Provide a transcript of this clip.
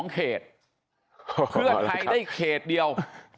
เพื่อใครได้เกสเดียว